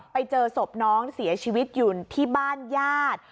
ไปเจอศพน้องเสียชีวิตอยู่ที่บ้านญาติ